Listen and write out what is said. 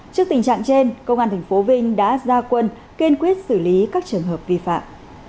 trước tình trạng trên công an tp vinh đã ra quân kiên quyết xử lý các trường hợp vi phạm